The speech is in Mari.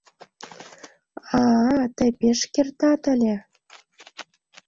— А-а, тый пеш кертат ыле...